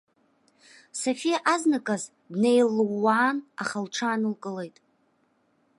Софиа азныказ днеилууаан, аха лҽаанылкылеит.